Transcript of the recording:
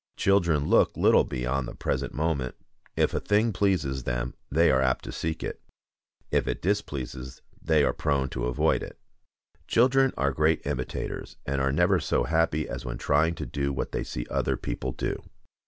Children look little beyond the present moment. If a thing pleases them they are apt to seek it, if it displeases they are prone to avoid it. Children are great imitators, and are never so happy as when trying to do what they see other people do.